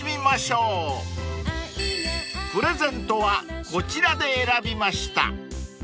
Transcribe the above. ［プレゼントはこちらで選びました］